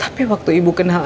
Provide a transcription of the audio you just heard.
tapi waktu ibu kenal